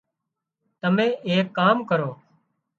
تمين ايڪ ڪام ڪرو